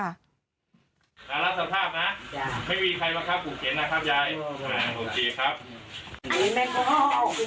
รักษาภาพนะไม่มีใครบ้างครับผมเข็นนะครับยายโอเคครับ